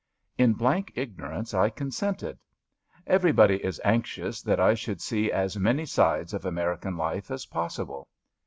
In blank ignorance I consented. Everybody is anxious that I should see as many sides of Ameri 166 ABAFT THE FUNNEL can life as possible.